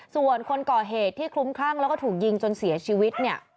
ส่วนคนก่อเหตุที่คลุ้มคลั่งแล้วก็ถูกยิงจนเสียชีวิตเนี่ย